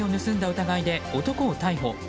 疑いで男を逮捕。